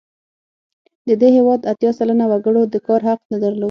د دې هېواد اتیا سلنه وګړو د کار حق نه درلود.